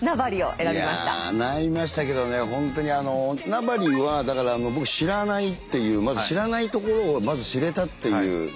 名張はだから僕知らないっていう知らない所をまず知れたっていうことがね。